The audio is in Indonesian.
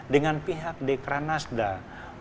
dengan pihak dekra nasdaq